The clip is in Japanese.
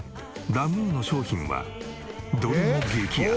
ラ・ムーの商品はどれも激安。